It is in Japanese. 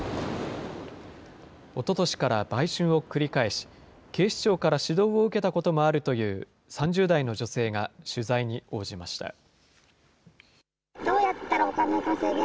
おととしから売春を繰り返し、警視庁から指導を受けたこともあるという３０代の女性が取材に応じました。